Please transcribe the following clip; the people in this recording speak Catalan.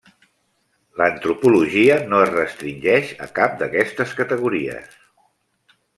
L'antropologia no es restringeix a cap d'aquestes categories.